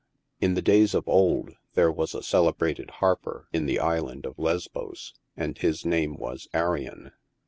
In the days of old, there was a celebrated harper in the Island of Lesbos, and his name was Arion.